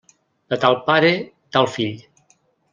De tal pare, tal fill.